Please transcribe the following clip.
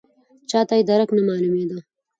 چاته یې درک نه معلومېده.